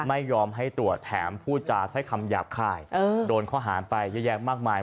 ไม่ยอมให้ตรวจแถมผู้จากให้คำหยาบค่ายโดนก็หานไปยังมากมาย